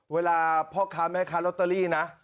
เวลาพ่อค้าแม่ค้าลอตเตอรี่นะ